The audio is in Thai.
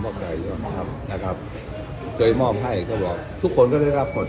มอบอะไรอยู่เคยมอบให้ก็บอกทุกคนก็ได้รับมาหมด